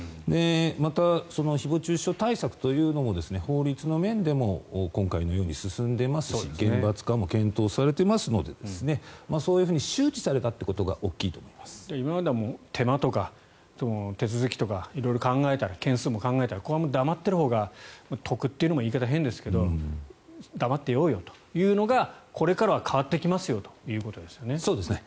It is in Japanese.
また、誹謗・中傷対策というのも法律の面でも今回のように進んでますし厳罰化も検討されていますのでそういうふうに周知されたということが今までは手間とか手続きとか色々、件数とか考えたらこれは黙っているほうが得というのも言い方が変ですが黙っていようよというのがこれからは変わってきますよということですね。